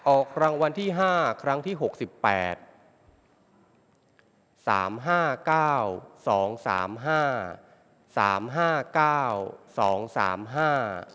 ออกรางวัลที่ห้าครั้งที่หกสิบแปดสามห้าเก้าสองสามห้าสามห้าเก้าสองสามห้า